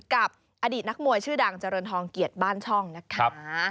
กับอดีตนักมวยชื่อดังเจริญทองเกียรติบ้านช่องนะคะ